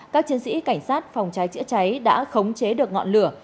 các chiến sĩ cảnh sát phòng cháy chữa cháy đã khống chế được ngọn lửa